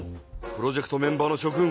プロジェクトメンバーのしょ君。